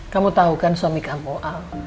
kamu tahu kan suami kamu